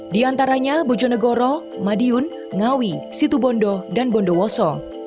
di antaranya bojonegoro madiun ngawi situbondo dan bondowoso